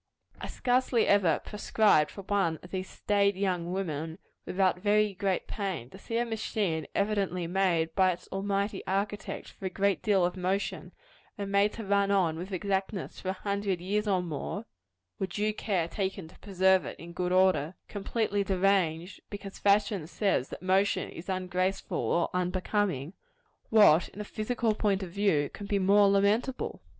I scarcely ever prescribed for one of these staid young women, without very great pain. To see a machine evidently made by its Almighty Architect for a great deal of motion, and made to run on with exactness for a hundred years or more, (were due care taken to preserve it in good order,) completely deranged, because Fashion says that motion is ungraceful or unbecoming what, in a physical point of view, can be more lamentable!